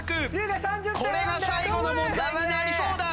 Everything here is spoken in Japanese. これが最後の問題になりそうだ。